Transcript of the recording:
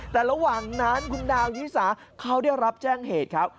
แต่ระหว่างนั้นคุณดาวยิสาเขาได้รับแจ้งเหตุครับ